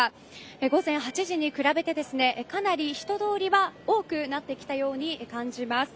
午前８時に比べてかなり人通りは多くなってきたように感じます。